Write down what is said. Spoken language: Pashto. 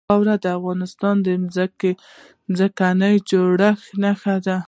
واوره د افغانستان د ځمکې د جوړښت نښه ده.